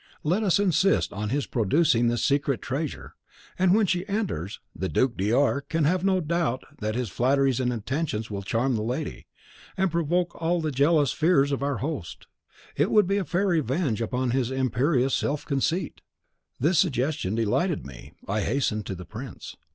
Let us insist on his producing this secret treasure, and when she enters, the Duc de R can have no doubt that his flatteries and attentions will charm the lady, and provoke all the jealous fears of our host. It would be a fair revenge upon his imperious self conceit.' "This suggestion delighted me. I hastened to the prince.